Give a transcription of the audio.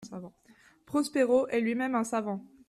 Prospero est lui-même un savant.